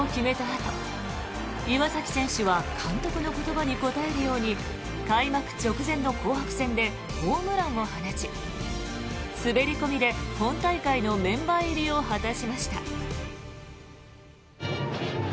あと岩崎選手は監督の言葉に応えるように開幕直前の紅白戦でホームランを放ち滑り込みで本大会のメンバー入りを果たしました。